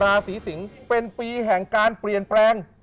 ราศีสิงศ์เป็นปีแห่งการเปลี่ยนแปลง